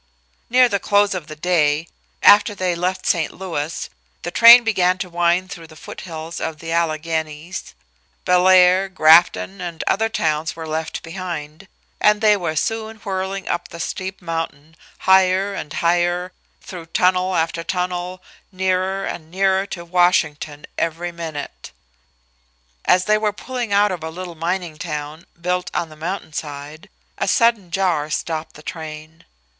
Near the close of the day, after they left St. Louis, the train began to wind through the foothills of the Alleghenies. Bellaire, Grafton and other towns were left behind, and they were soon whirling up the steep mountain, higher and higher, through tunnel after tunnel, nearer and nearer to Washington every minute. As they were pulling out of a little mining town built on the mountain side, a sudden jar stopped the train.